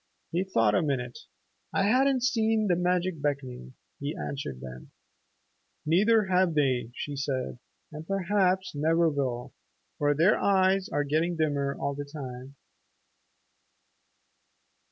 He thought a minute. "I hadn't seen the magic beckoning," he answered then. "Neither have they," she said, "and perhaps never will, for their eyes are getting dimmer all the time."